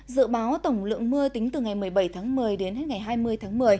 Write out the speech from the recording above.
dự báo tổng lượng mưa tính từ ngày một mươi bảy tháng một mươi đến hết ngày hai mươi tháng một mươi